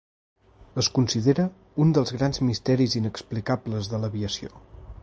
Es considera un dels grans misteris inexplicables de l'aviació.